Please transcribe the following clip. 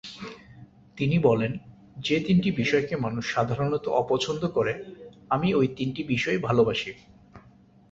তিনি বলেন, ‘যে তিনটি বিষয়কে মানুষ সাধারণত অপছন্দ করে, আমি ওই তিনটি বিষয় ভালোবাসি।